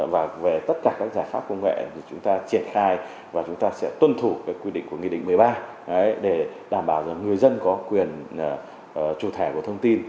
và về tất cả các giải pháp công nghệ thì chúng ta triển khai và chúng ta sẽ tuân thủ quy định của nghị định một mươi ba để đảm bảo rằng người dân có quyền chủ thẻ của thông tin